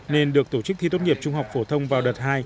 nên được tổ chức thi tốt nghiệp trung học phổ thông vào đợt hai